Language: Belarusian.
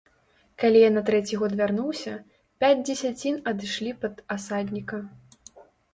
Калі я на трэці год вярнуўся, пяць дзесяцін адышлі пад асадніка.